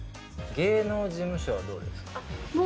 芸能事務所は、どうですか？